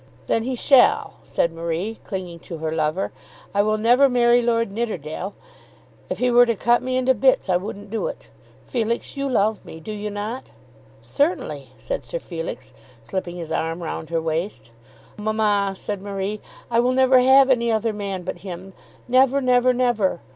"Then he shall," said Marie, clinging to her lover. "I will never marry Lord Nidderdale. If he were to cut me into bits I wouldn't do it. Felix, you love me; do you not?" "Certainly," said Sir Felix, slipping his arm round her waist. "Mamma," said Marie, "I will never have any other man but him; never, never, never.